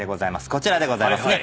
こちらでございますね。